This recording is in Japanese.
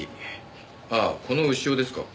ああこの潮ですか。